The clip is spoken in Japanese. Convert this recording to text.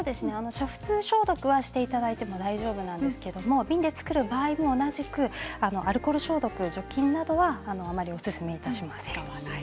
煮沸消毒はしていただいて大丈夫なんですが瓶で作る場合も同じくアルコール消毒、除菌などはあまりおすすめいたしません。